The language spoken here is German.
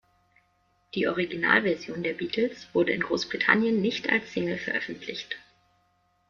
Die Originalversion der Beatles wurde in Großbritannien nicht als Single veröffentlicht.